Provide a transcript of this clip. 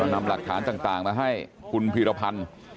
นำหลักฐานต่างมาให้คุณพีรพันธ์